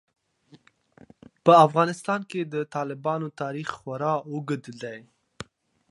په افغانستان کې د تالابونو تاریخ خورا اوږد دی.